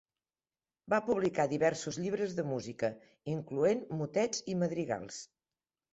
Va publicar diversos llibres de música, incloent motets i madrigals.